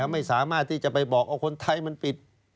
ไม่สามารถที่จะไปบอกว่าคนไทยมันปิด